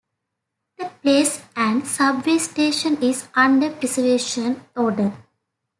The place and subway station is under preservation order.